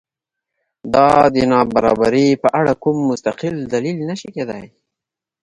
دا د نابرابرۍ په اړه کوم مستقل دلیل نه شي کېدای.